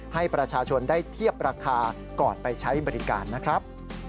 ให้ประชาชนได้เทียบราคาก่อนไปใช้บริการนะครับ